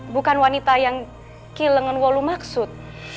bukan wanita yang ki lengenwalu maksud